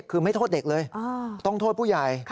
คือไม่โทษเด็กเลยต้องโทษผู้ใหญ่